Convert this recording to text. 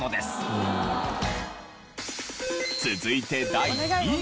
続いて第２位。